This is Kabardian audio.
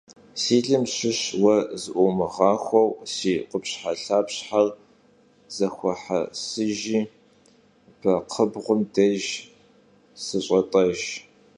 Si lım şış vue zı'uumığaxueu si khupşhelhapşher zexuehesıjji bekxhıbğum dêjj şış'et'ejj.